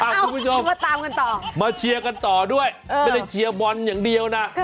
อ้าวคุณผู้ชมมาเชียร์กันต่อด้วยไม่ได้เชียร์บอนอย่างเดียวนะค่ะ